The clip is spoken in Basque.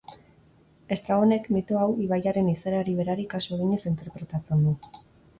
Estrabonek, mito hau, ibaiaren izaerari berari kasu eginez interpretatzen du.